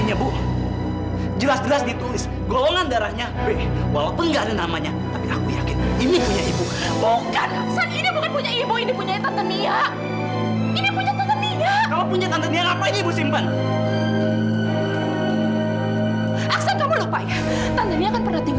aksan kamu lho payah tanda ini akan pernah tinggal di sini aksan